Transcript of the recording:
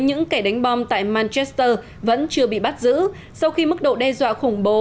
những kẻ đánh bom tại maduester vẫn chưa bị bắt giữ sau khi mức độ đe dọa khủng bố